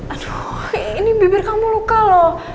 aduh ini bibir kamu luka loh